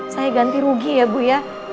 saya ganti rugi ya bu ya